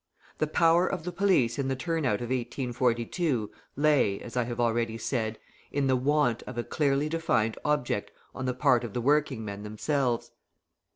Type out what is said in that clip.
The power of the police in the turnout of 1842 lay, as I have already said, in the want of a clearly defined object on the part of the working men themselves.